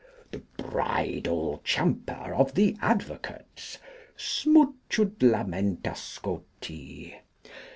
The Bridle champer of the Advocates. Smutchudlamenta Scoti.